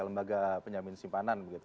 lembaga penjamin simpanan gitu